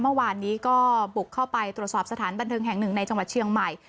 เมื่อวานนี้ก็บุกเข้าไปตรวจสอบสถานบันเทิงแห่งหนึ่งในจังหวัดเชียงใหม่